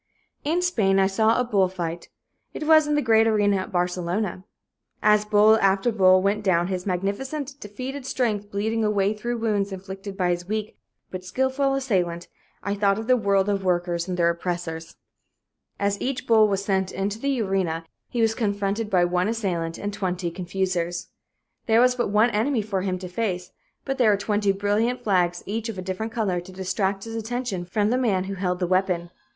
In Spain I saw a bull fight. It was in the great arena at Barcelona. As bull after bull went down, his magnificent, defeated strength bleeding away through wounds inflicted by his weak but skillful assailant, I thought of the world of workers and their oppressors. As each bull was sent into the arena, he was confronted by one assailant and twenty confusers. There was but one enemy for him to face, but there were twenty brilliant flags, each of a different color, to distract his attention from the man who held the weapon.